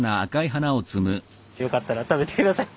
よかったら食べて下さい。